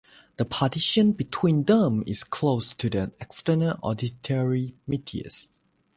The partition between them is close to the external auditory meatus.